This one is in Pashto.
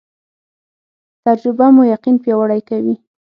تجربه مو یقین پیاوړی کوي